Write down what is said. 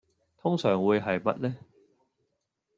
通常會係乜呢